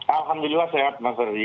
alhamdulillah sehat mas ferdi